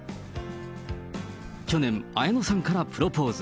去年、綾野さんからプロポーズ。